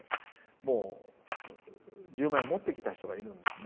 もう１０万円持ってきた人がいるんですね